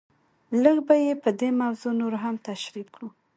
لږ به یې په دې موضوع نور هم تشریح کړو.